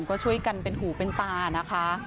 ก็ช่วยกันเป็นหูเป็นตานะคะ